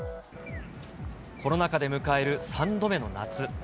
コロナ禍で迎える３度目の夏。